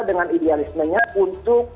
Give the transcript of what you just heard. dengan idealismenya untuk